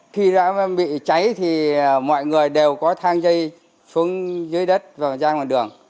khi đã bị cháy thì mọi người đều có thang dây xuống dưới đất và ra ngoài đường